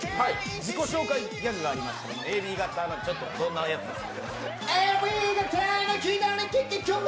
自己紹介ギャグがありまして、ＡＢ型のこんなやつです。